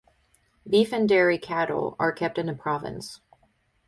Beef and dairy cattle are kept in the province.